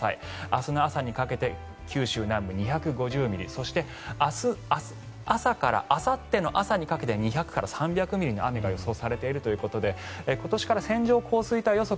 明日の朝にかけて九州南部２５０ミリそして明日朝からあさっての朝にかけて２００から３００ミリの雨が予想されているということで今年から線状降水帯予測